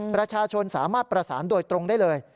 ประชาชนสามารถประสานโดยตรงได้เลย